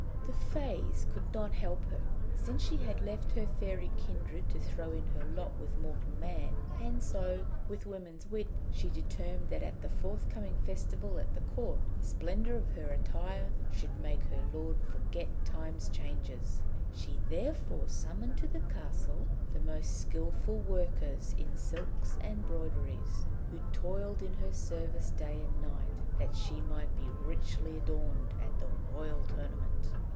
The Fées could not help her, since she had left her fairy kindred to throw in her lot with mortal man, and so, with woman's wit, she determined that at the forthcoming festival at the Court the splendour of her attire should make her lord forget Time's changes. She therefore summoned to the castle the most skilful workers in silks and broideries, who toiled in her service day and night, that she might be richly adorned at the Royal Tournament.